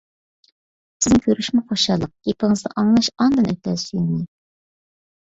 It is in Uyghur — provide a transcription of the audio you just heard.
سىزنى كۆرۈشمۇ خۇشاللىق، گېپىڭىزنى ئاڭلاش ئاندىن ئۆتە سۆيۈملۈك!